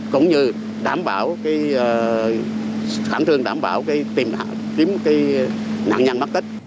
cũng như khẳng thương đảm bảo cái tìm nạn nhân mắc tích